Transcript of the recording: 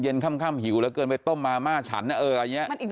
อันนี้มันมันอีกเรื่องนึงนะก็ยังนึง